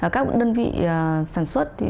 các đơn vị sản xuất